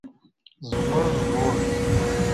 زموږ رول